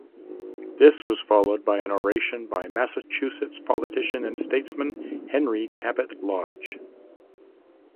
This was followed by an oration by Massachusetts politician and statesman Henry Cabot Lodge.